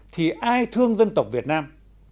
thì ai thương dân tộc việt nam